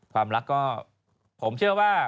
ความรักก็พี่บ๊วยผมเชื่อว่า